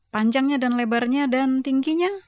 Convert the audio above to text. panjangnya dan lebarnya dan tingginya